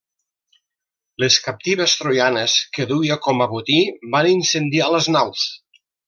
Les captives troianes que duia com a botí van incendiar les naus.